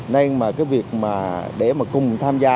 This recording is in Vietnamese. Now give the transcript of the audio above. nên mà cái việc để mà cùng tham gia